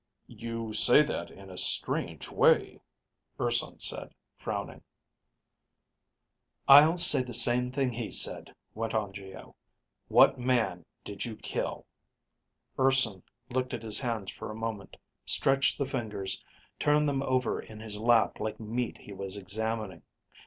"You say that in a strange way," Urson said, frowning. "I'll say the same thing he said," went on Geo. "What man did you kill?" Urson looked at his hands for a moment, stretched the fingers, turned them over in his lap like meat he was examining.